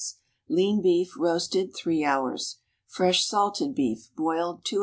Lean beef, roasted, 3 h.; Fresh salted beef, boiled 2 h.